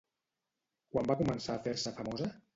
Quan va començar a fer-se famosa?